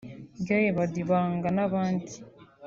Guy Badibanga n’abandi